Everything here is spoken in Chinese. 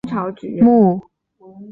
目前为止出有八张专辑。